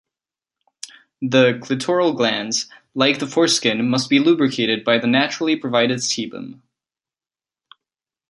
The clitoral glans, like the foreskin, must be lubricated by the naturally provided sebum.